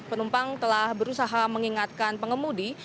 penumpang telah berusaha mengingatkan pengemudi